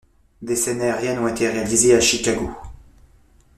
Des scènes aériennes ont été réalisées à Chicago.